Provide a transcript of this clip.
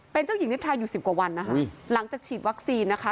เป็นเจ้าหญิงนิทราอยู่สิบกว่าวันนะคะหลังจากฉีดวัคซีนนะคะ